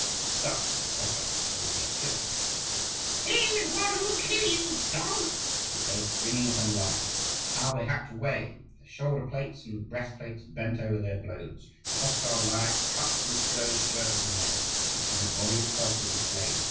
Such was the Cossack, Mosiy Schilo. "Here is one who will kill you, dog!" he said, springing upon the Lyakh. How they hacked away! their shoulder plates and breast plates bent under their blows. The hostile Lyakh cut through Schilo's shirt of mail, reaching the body itself with his blade.